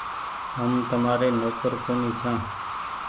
هم تمآري نوڪر ڪونيٚ ڇآن